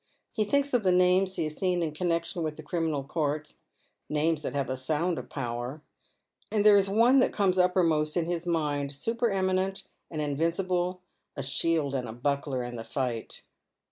He thinks of the names he has seen in connection with the criminal courts — names that have a sound of power, — and there is one that comes uppermost in his mind, super eminent and invincible, a shield and buckler in the fight.